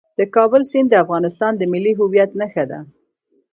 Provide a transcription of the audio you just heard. د کابل سیند د افغانستان د ملي هویت نښه ده.